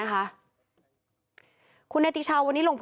ขอบคุณครับ